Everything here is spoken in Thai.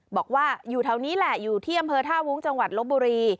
บอกว่าอยู่แถวนี้แหละอยู่ที่อำเภอท่าวุ้งจังหวัดลบบุรี